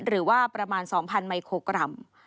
หรือว่าประมาณ๒๐๐มิโครกรัม